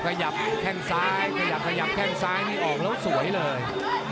ขยับแค่งซ้ายไม่ออกแล้วสวยเลย